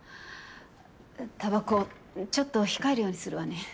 たばこちょっと控えるようにするわね。